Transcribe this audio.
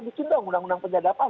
bikin dong undang undang penyadapan